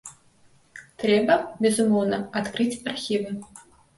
Трэба, безумоўна, адкрыць архівы.